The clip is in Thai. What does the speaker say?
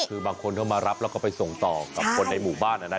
คือบางคนเข้ามารับแล้วก็ไปส่งต่อกับคนในหมู่บ้านนะครับ